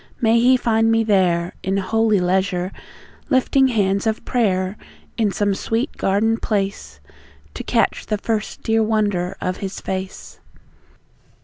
May He find me there, In holy leisure, lifting hands of prayer, In some sweet garden place, To catch the first dear wonder of His Face!